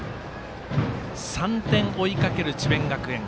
３点を追いかける智弁学園。